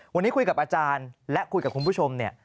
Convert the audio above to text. วันนี้คุยกับอาจารย์และคุยกับคุณผู้ชมเนี่ย